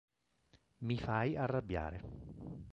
Mi fai arrabbiare.